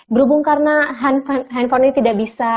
berhubung karena handphone ini tidak bisa